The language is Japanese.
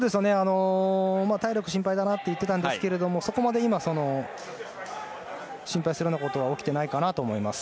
体力心配だなと言っていたんですが、そこまで心配するようなことは起きていないかなと思います。